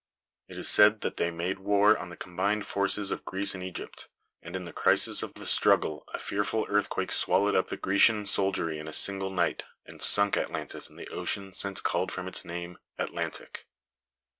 It is said that they made war on the combined forces of Greece and Egypt; and in the crisis of the struggle a fearful earthquake swallowed up the Grecian soldiery in a single night, and sunk Atlantis in the ocean since called from its name, Atlantic.